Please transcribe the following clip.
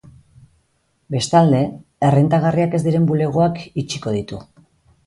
Bestalde, errentagarriak ez diren bulegoak itxiko ditu.